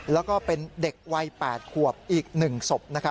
แล้วก็เป็นเด็กวัย๘ขวบอีก๑ศพ